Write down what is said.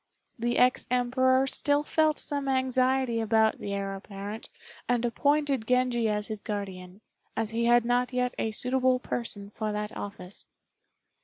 The ex Emperor still felt some anxiety about the Heir apparent, and appointed Genji as his guardian, as he had not yet a suitable person for that office.